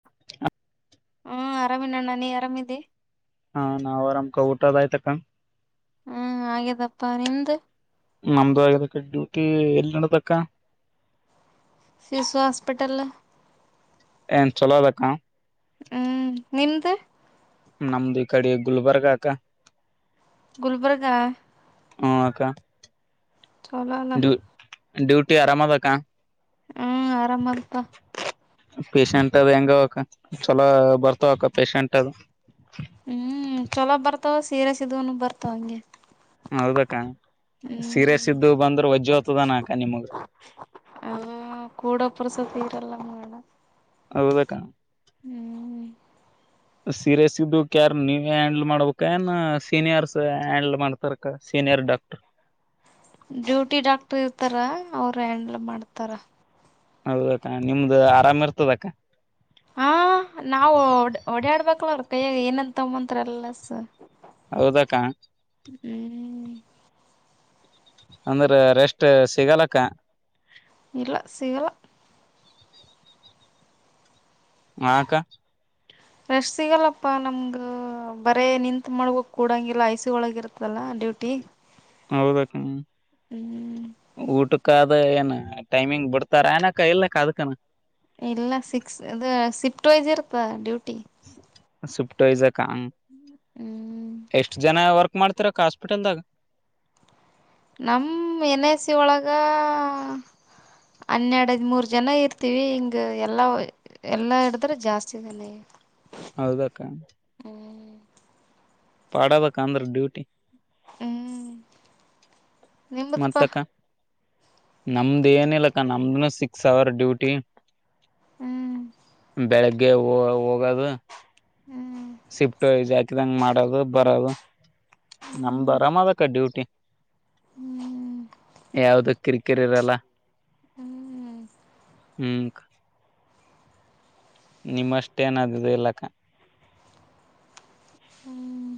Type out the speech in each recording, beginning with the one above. [inaudible] ಹ್ಮ ಆರಾಮಿನಣ್ಣ ನೀ ಆರಾಮಿದ್ದಿ. ಹಾ ನಾ ಅರಾಮಕ ಊಟದಯ್ತಕ್ಕ. ಹ್ಮ್ ಹಾಗೇದಪ್ಪಾ ನಿಮ್ದು. ನಮ್ದು ಆಗದಕ್ಕೆ ಡ್ಯೂಟಿ ಎಲ್ಲಿ ನಡೆದಕ್ಕ. ಶಿಶು ಹಸ್ಪಿಟಲ್ಲ. ಏನ್ ಚಲೋದಕ್ಕ್ನ. ಹ್ಮ್ ನಿಮ್ದ. ನಮ್ದು ಈ ಕಡೆ ಗುಲ್ಬರ್ಗಾಕ. ಗುಲ್ಬರ್ಗ ಹ್ಮ ಅಕ್ಕಾ. ಚಲೊಲ್ಲ. ಡ್ಯೂಟಿ ಆರಾಮ ಅದಕ್ಕ. ಹ್ಮ್ ಆರಾಮದಪ್ಪ ಪೇಶೆಂಟ್ ಅದು ಹೆಂಗ ಅವಕ್ಕ ಚಲೋ ಬರ್ತಾವಕ್ಕ ಪೇಶಂಟ್ ಅದು. ಹ್ಮ್ ಚಲೋ ಬರ್ತಾವ ಸೀರಿಯಸ್ ಇದ್ದವು ಬರ್ತಾವಂಗೆ. ಹೌದಕ್ಕ ಸೀರಿಯಸ್ ಇದ್ದು ಬಂದ್ರೆ ವಜ್ಜಿಹೊತದಾನ ಅಕ್ಕ ನಿಮಗ. ಆ ಕೂಡೊ ಪುರಸೊತ್ತಿರಲ್ಲ ನಮ್ಗಣ. ಹೌದಕ್ಕ ಹ್ಮ್ ಸೀರಿಯಸ್ ಇದ್ದು ಕೆರ್ ನೀವೆ ಹ್ಯಾಂಡ್ಲ್ ಮಾಡ್ಬೇಕ ಏನ್ ಸೀನಿಯರ್ಸ್ ಹ್ಯಾಂಡಲ್ ಮಾಡ್ತಾರಕ್ಕ ಸ ಡಾಕ್ಟರು. ಡ್ಯೂಟಿ ಡಾಕ್ಟರ್ ಇರ್ತಾರ ಅವರು ಹ್ಯಾಂಡಲ್ ಮಾಡ್ತಾರ. ಹೌದಕ್ಕ ನಿಮ್ದ ಆರಾಮ್ ಇರ್ತದ ಅಕ್ಕ. ಹ ನಾವು ಓಡಾಡ್ಬೇಕಲ ಅವ್ರ ಕೈಯಾಗ ಏನನ್ನು ತೊಂಬಾ ಅಂದ್ರೆ ಎಲ್ಲ ಸ ಹೌದಕ್ಕ. ಹ್ಮ್ ಅಂದ್ರೆ ರೆಸ್ಟೆ ಸಿಗಲಕ್ಕ. ಇಲ್ಲ ಸಿಗಲ್ಲ. ಹಾಕ್ಕ. ರೆಸ್ಟ್ ಸಿಗಲ್ಲಪ್ಪಾ ನಮ್ಗ ಬರೇ ನಿಂತ್ ಮಾಡಬೇಕ್ ಕೂಡಂಗಿಲ್ಲ ಐ ಸಿ ಒಳಗ ಇರತಲ್ಲಾ. ಡ್ಯೂಟಿ ಹೌದಾ ಕ್ಕ ಹ್ಮ್ ಊಟ. ಅಕ್ಕ ಅದು ಏನ ಟೈಮಿಂಗ್ ಬಿಡ್ತಾರ ಅಏನಕ್ಕ ಇಲ್ಲಕ್ಕ ಅದಕನು. ಇಲ್ಲ ಸಿಕ್ಸ್ ಇದು ಶಿಫ್ಟ್ ವೈಸ್ ಇರ್ತ್ತ ಡ್ಯೂಟಿ. ಶ್ಫ್ಟಫ್ಟ್ ವೈಸ್ ಹ್ಮ್ ಎಷ್ಟ್ ಜನ ವರ್ಕ್ ಮಾಡ್ತರಕ್ಕ ಹಾಸ್ಪಿಟಲ್ದಾಗ ನಮ್ಮ ಎನ್ ಎ ಸಿ ಒಳಗ ಹನ್ನೆರಡು ಅದಿಮೂರು ಜನ ಇರ್ತೀವಿ ಹಿಂಗ ಎಲ್ಲ ಎಲ್ಲ ಹಿಡಿದ್ರೆ ಜಾಸ್ತಿ ಹೌದಕ್ಕ. ಪಾಡದಕ್ಕ ಅಂದ್ರ ಡ್ಯೂಟಿ. ಹ್ಮ್ ನಿಮ್ದುಪ. ನಮ್ದು ಏನ ಇಲ್ಲಕ್ಕ ನಮ್ದನು ಸಿಕ್ಸ್ ಅವರ್ ಡ್ಯೂಟಿ. ಹ್ಮ್ ಬೆಳಗ್ಗೆ ಹೊ ಹೋಗದು. ಹ್ಮ್ [unintelligible] ದಂಗ ಮಾಡೋದು ಬರದು ನಮ್ದು ಆರಾಮ ಅದಕ್ಕ ಡ್ಯೂಟಿ. ಯಾವ್ದು ಕಿರಿಕಿರಿ ಇರಲ್ಲ. ಹ್ಮ್ ಹ್ಮ್ ಹ್ಮ ನಿಮ್ಮಷ್ಟೇ ಏನಾದದು ಇಲ್ಲಾಕ್ಕ ಹ್ಮ್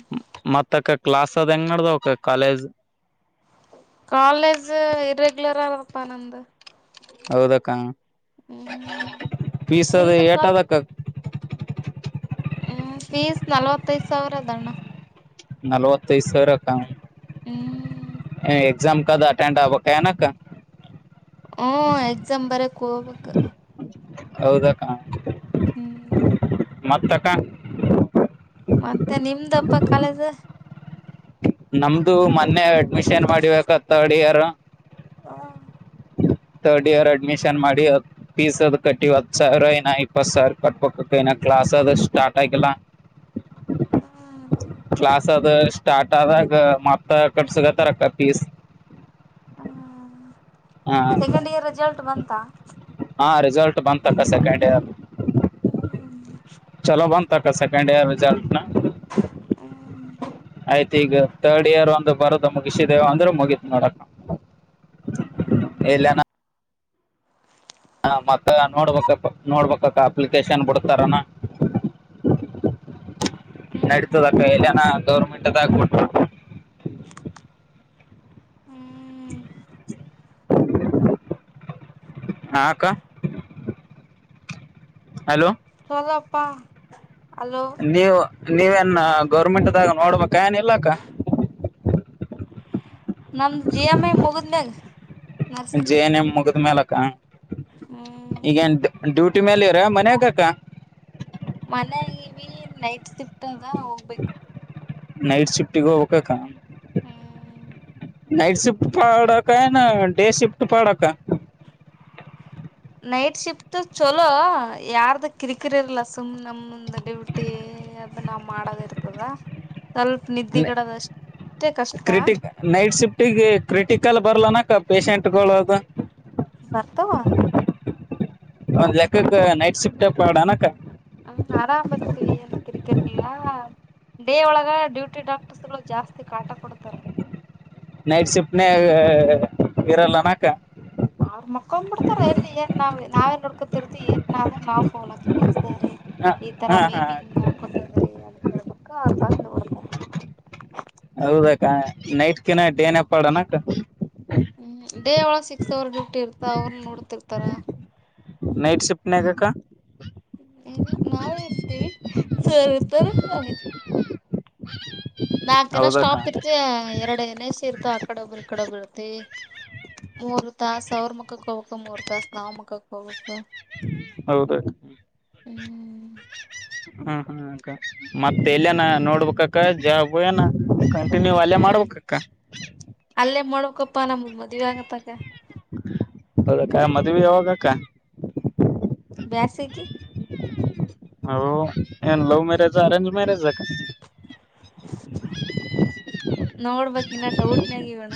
ಅಕ್ಕ ಕ್ಲಾಸ್ ಅದೆಂಗಡೆದ ವಕ್ಕ ಕಾಲೇಜ್ ಕಾಲೇಜ್ ರೆಗಲರಾ ಆದಪ್ಪ ನಂಬದ ಹೌದಕ್ಕ ಹ್ಮ್ ಪೀಸದು ನಿಂದು ಏಟ ಅದಕ್ಕ ಹ್ಮ ಫೀಸ್ ನಲ್ವತ್ತೈದು ಸಾವಿರ ಆದಣ್ಣ ನಲವತ್ತೈದ ಸಾವಿರ ಅಕ್ಕ ಹ್ಮ್ ಎಕ್ಸಾಮ್ಕೋ ಅದು ಅಟೆಂಡ್ ಆಗಬೇಕೇನ ಅಕ್ಕ ಹೋಗ್ಬೇಕು ಹೌದಾ ಅಕ್ಕ ಹ್ಮ್ ಮತ್ ಅಕ್ಕ ಮತ್ತೆ ನಿಮ್ದಪ್ಪ ಕಾಲೇಜ್ ನಮ್ದು ಮೊನ್ನೆ ಅಡ್ಮಿಷನ್ ಮಾಡಿ ವಿ ಅಕ್ಕ third year third year admission ಮಾಡಿ ಫೀಸ್ ಅದ್ ಕಟ್ಟಿ ಹತ್ತು ಸಾವಿರ ಏನ ಇಪ್ಪತ್ತು ಸಾವಿರ ಕಟ್ಪ ಬೇಕ ಅಕ್ಕ ಕ್ಲಾಸ್ ಅದು ಸ್ಟಾರ್ಟ್ ಆಗಿಲ್ಲ ಕ್ಲಾಸ್ ಅದು ಸ್ಟಾರ್ಟ್ ಆದಾಗ ಮಾತ್ ಕಟ್ಸಗತ್ತಾರಕ್ಕ ಪೀಸ್ ಹ್ಮ್ ಸೆಕೆಂಡ್ ಇಯರ್ ರೆಸಲ್ಟ್ ಬಂತಾ ರಿಜಲ್ಟ್ಲ್ ಬಂದತಕ್ಕ ಸೆಕೆಂಡ್ ಇಯರ್ ಚಲೋ ಬಂದತ ಸೆಕೆಂಡ ಯರ್ ರಿಸಲ್ಟ್ ಆಯ್ತು ಈಗ ತರ್ಡ್ ಇಯರ್ ಒಂದು ಬರೋದ ಮುಗಿಸಿದೇವ ಅಂದ್ರೆ ಮುಗತ್ ನೋಡಕ ಎಲ್ಲೆನಾ ಹಾ ಮತ್ತ ನೋಡ್ಬ ನೋಡ್ಬಕ್ಕ ಅಪ್ಲಿಕೇಶನ್ ಬಿಡ್ತಾರನಾ ನಡಿತದಕ್ಕ ಎಲ್ಲನ ಗೌರ್ಮೆಂಟ್ದಾಗ ಬಿಟ್ರ ಹ್ಮ್ ಹ ಹಾಕ್ಕ ಹಲೋ ಚಲಪ್ಪಾ ನೀವು ನೀವೇನ್ ಗೌರ್ಮೆಂಟ್ದಾಗ ನೋಡ್ಬೇಕ ಏನ ಇಲ್ಲಾಕ್ಕ ನಮ್ದ ಜಿ ಎಮಿ ಮುಗಿದ್ಮ್ಯಾಗ ನರ್ಸಿಂಗ್ ಜೆ ಎನ್ ಮ ಮುಗಿದ ಮೇಲಕ್ಕ ಹ್ಮ್ ಈಗನ್ ಡ್ಯೂಟಿ ಟ ಮೇಲೆ ಇರ ಮನಬೇಕಕ್ಕಾ ಮನ ನೈಟ್ ಶಿಫ್ಟ್ ಅದ ಹೋಗ್ಬೇಕು ನೈಟ್ ಶಿಫ್ಟಗ ಕ ಹ್ಮ್ ನೈಟ್ ಶಿಫ್ಟ ಪಾಡಕ ಡೇ ಶಿಫ್ಟ ಪಾಡಕ ನೈಟ್ ಶಿಫ್ಟ ಚಲೋ ಯಾರ್ದ ಕಿರಿಕಿರಿ ಇರ್ಲ ಸುಮ್ನೆ ನಮಂದು ಡ್ಯೂಟಿ ನಾ ಮಾಡದ ಇರ್ತದ ಸ್ವಲ್ಪ ನಿದ್ದಿಗಿಡದ ಅಷ್ಟೇ ಕಷ್ಟ ಕ್ರಿಟ ನೈಟ್ ಶಿಫ್ಟಿಗೆ ಕ್ರಿಟಿಕಲ್ ಬರ್ಲಾನಕ್ಕ ಪೇಶೆಂಟ್ಗಳು ಅದು ಬರ್ತಾವ ಒಂದ್ ಲೆಕ್ಕಕ್ಕ ನೈಟ್ ಶಿಫ್ಟ್ ಪಡ ಅಣಕ್ಕ ಹ್ಮ್ ಆರಾಮದತ್ರ ತಿರಲ ಡೇ ಒಳಗ ಡ್ಯೂಟಿ ಡಾಕ್ಟರ್ಸ್ಗಳು ಜಾಸ್ತಿ ಕಾಟ ಕೊಡ್ತಾರ ನೈಟ್ ಶಿಫ್ಟ್ ಇರಲ್ಲನಾಕ ಅವ್ರ್ ಮಕ್ಕೊೊಂಡ್ಬ ಬಿಡ್ತಾರ ಎಲ್ಲಿ ಏನ್ ನಾವ್ ನಾವೇನ್ ನೋಡ್ಕೋತಿರ್ತಿ ಏನಾದ್ರರು ನಾವ್ ಫೋಲ್ ಹ ಈ ತರ ಹಾ ಹಾ ಬೇಬಿ ಹಿಂಗ ಹಾಕತದ ರಿ ಅಂತ ಹೇಳ್ಬ ಅವ್ರು ಬಂದು ಬಿಡ್ತಾರೆ ಹೌದಾಕ್ಕ ನೈಟ್ ಕಿನ ಡೇನ ಪಡ ಅಕ್ಕ ಹ್ಮ್ ಡೇ ಒಳಗ ಸಿಕ್ಸ್ ಅವರ್ ಡ್ಯೂಟ್ ಇರ್ತ ಅವ್ರ ನೋಡ್ತಿರ್ತಾರ. ನೈಟ್ ಶಿಫ್ಟ್ನ [inaudible] ಕ. ಎಲ್ಲ ನಾವೇ ಇರ್ತೇವಿ ಸರ್ ಇರ್ತಾರಲ್ಲ. ನಾಕ್ ಜನ ಹೌದಕ್ಕ ಸ್ಟಾಪ್ ಇರ್ತಿ ಎರಡನ ಏನ್ ಎಸ್ ಇರ್ತ ಆ ಕಡೆ ಒಬ್ಬ್ರ ಈ ಕಡೆ ಒಬ್ಬ ಇರ್ತಿ. ಮೂರು ತಾಸು ಅವರು ಮುಕ್ಕ ಕೊವಿಕ್ಕ ಮೂರು ತಾಸು ನಾಮ ಮುಕ್ಕ ಕೊವಿಕ್ಕ ಹೌದ. ಹ್ಮ್. ಹ್ಮ ಹ್ಮ ಅ ಮತ್ತ ಎಲ್ಲನ ನೋಡ್ಬೇಕಕ್ಕ. ಭಯನ ಕಂಟಿನ್ಯೂ ಅಲ್ಲಯ ಮಾಡ್ಬೇಕಕ್ಕ. ಅಲ್ಲೇ ಮಾಡೋಕೊಪ್ಪ ನಮ್ದ್ ಮದ್ವ ಅಗತಗ. ಅದಕ್ಕ ಮದ್ವೆ ಯಾವಾಗಕ್ಕ. ಬ್ಯಸಾಗಿ. ಹಏ ಲವ್ ಮ್ಯರೆಜ ಅರೇಂಜ ಮ್ಯಾರಜ ಆಕ. ನೋಡ್ಬೇಕಕ್ ಇನ್ನ ಡೌಟ್ನ್ ಆಗಿವಣ.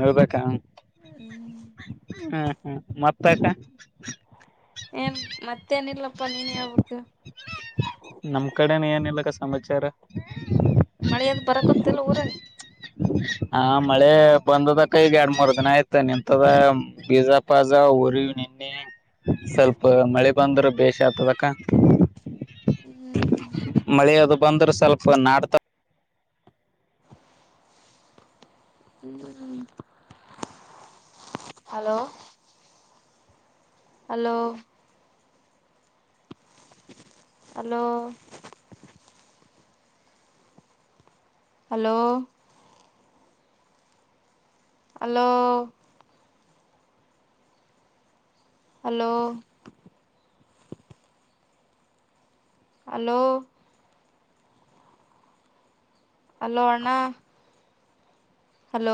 ಹೌದಕ್ಕ ಹ ಹ ಹ ಮತಕ್ಕ. ಏನ್ ಮತ್ತೇನಿಲ್ಲಪ್ಪಾ ನೀನ್ ಹೇಳ್ಬೇಕು. ನಮ್ ಕಡೆನ ಏನಿಲ್ಲಕ್ಕ ಸಮಾಚಾರ. ಮಳೆದ್ ಬರಕೊತ್ತಲ್ಲ ಊರಾಗ. ಹಾ ಮಳೆ. ಬಂದದ ಕೈಗ್ ಎರಡ್ ಮೂರ್ ದಿನ ಯ್ತ ನಿಂತದ ಬೀಜಾ ಪಾಜಾ ಉರಿ ನಿನ್ನೆ ಸ್ವಲ್ಪ ಮಳೆ ಬಂದ್ರ ಬೇಷ ಆಗ್ತದಕ್ಕ. [inaudible] ಮಳೆ ಅದು ಬಂದ್ರೆ ಸ್ವಲ್ಪ ನಾಡ್ತ. [inaudible] Hello. Hello. Hello. Hello. Hello. Hello. Hello. Hello ಅಣ್ಣ. ಹಲೋ